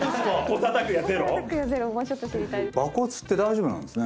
馬骨って大丈夫なんですね。